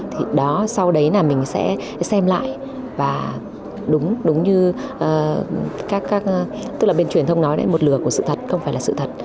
thì đó sau đấy là mình sẽ xem lại và đúng đúng như các tức là bên truyền thông nói đấy một lừa của sự thật không phải là sự thật